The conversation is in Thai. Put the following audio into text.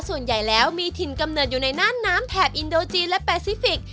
ส่วนใหญ่แล้วมีถิ่นกำเนิดอยู่ในน่านน้ำแถบอินโดจีนและแปซิฟิกส